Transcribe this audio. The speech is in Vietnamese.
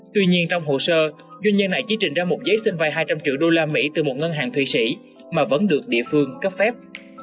tuy nhiên trong hồ sơ doanh nhân này chỉ trình ra một giấy xin vay hai trăm linh triệu usd từ một ngân hàng thụy sĩ mà vẫn được địa phương cấp phép